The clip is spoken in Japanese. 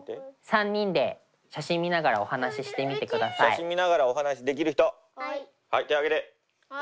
写真見ながらお話しできる人？